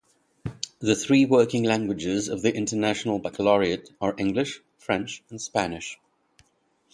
The three working languages of the International Baccalaureate are English, French and Spanish.